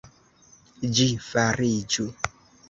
Ĝi fariĝu!